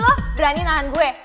apaan sih lo berani nahan gue